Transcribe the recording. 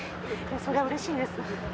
それはうれしいです。